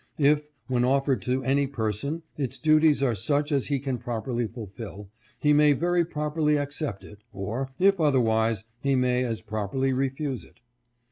If, when offered to any person, its duties are such as he can properly ful fill, he may very properly accept it ; or, if otherwise, he may as properly refuse it.